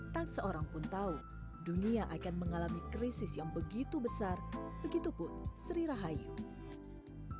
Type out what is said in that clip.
tak seorang pun tahu dunia akan mengalami krisis yang begitu besar begitupun sri rahayu